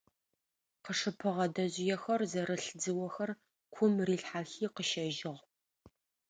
Къышыпыгъэ дэжъыехэр зэрылъ дзыохэр кум рилъхьэхи къыщэжьыгъ.